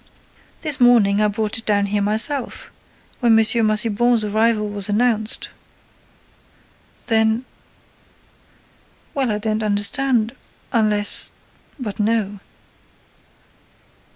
"This morning, I brought it down here myself, when M. Massiban's arrival was announced." "Then—?" "Well, I don't understand—unless—but no."